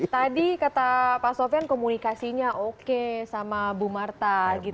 tadi kata pak sofian komunikasinya oke sama bu marta gitu